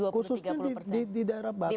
khususnya di daerah batamnya